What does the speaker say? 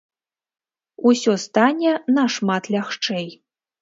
Усё стане нашмат лягчэй.